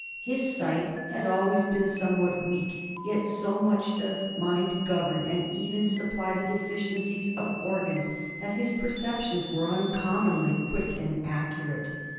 His sight had always been somewhat weak, yet so much does mind govern and even supply the deficiencies of organs that his perceptions were uncommonly quick and accurate.